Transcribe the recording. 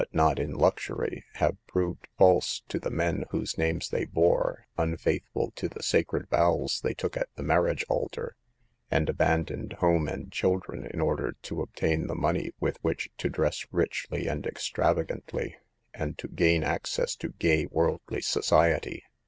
ot in luxury, have proved false to the men whose names they bore, unfaithful to the sacred vows they took at the marriage altar, and abandoned home and children in order to ob tain the money with which to dress richly and extravagantly, and to gain access to gay, worldly society.